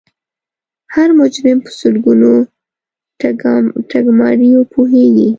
هر مجرم په سلګونو ټګماریو پوهیږي